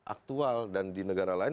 aktual dan di negara lain